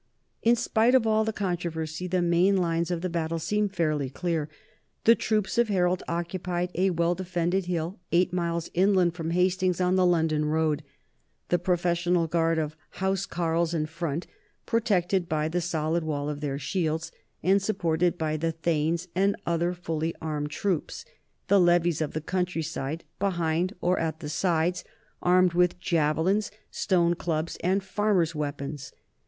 In spite of all the controversy, the main lines of the battle seem fairly clear. The troops of Harold occupied a well defended hill eight miles inland from Hastings on the London road, the professional guard of housecarles in front, protected by the solid wall of their shields and supported by the thegns and other fully armed troops, the levies of the countryside behind or at the sides, armed with javelins, stone clubs, and farmers' weapons.